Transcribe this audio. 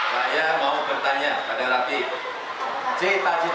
saya mau bertanya pada raffi cita citanya ingin jadi apa